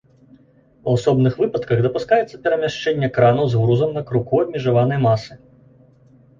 У асобных выпадках дапускаецца перамяшчэнне кранаў з грузам на круку абмежаванай масы.